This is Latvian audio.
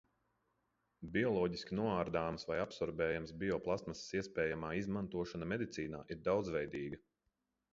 Bioloģiski noārdāmas vai absorbējamas bioplastmasas iespējamā izmantošana medicīnā ir daudzveidīga.